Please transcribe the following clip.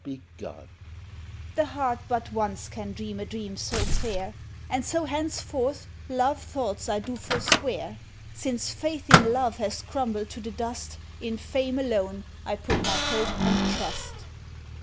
CUPID It is but begun. MAIDEN The heart but once can dream a dream so fair, And so henceforth love thoughts I do forswear; Since faith in love has crumbled to the dust, In fame alone, I put my hope and trust.